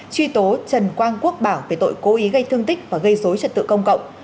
truy tố trần quang quốc bảo về tội cố ý gây thương tích và gây dối trật tự công cộng